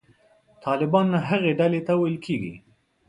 طالبان هغې ډلې ته ویل کېږي.